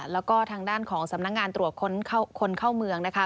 แล้วก็ทางด้านของสำนักงานตรวจคนเข้าเมืองนะคะ